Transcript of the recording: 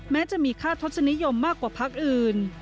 แม้จะมีค่าทศนิยมมากกว่าพักอื่น